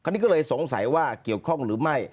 อันนี้ก็เลยสงสัยว่าเกี่ยวข้องหรือไม่